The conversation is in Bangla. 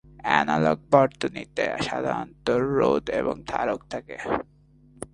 অ্যানালগ বর্তনীতে সাধারণত রোধ এবং ধারক থাকে।